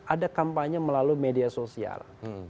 ada kampanye melalui media sosial